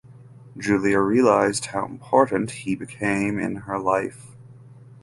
Julia realized how important he became in her life.